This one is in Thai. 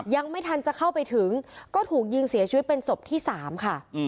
ยังไม่ทันจะเข้าไปถึงก็ถูกยิงเสียชีวิตเป็นศพที่๓ค่ะ